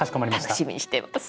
楽しみにしてます。